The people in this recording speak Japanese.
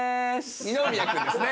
二宮君ですね。